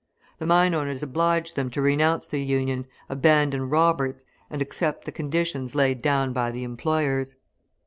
The mine owners obliged them to renounce the Union, abandon Roberts, and accept the conditions laid down by the employers.